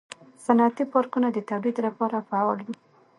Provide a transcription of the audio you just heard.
صنعتي پارکونه د تولید لپاره فعال وي.